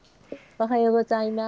おはようございます。